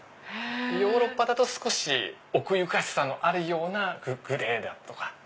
ヨーロッパだと少し奥ゆかしさのあるようなグレーだとか。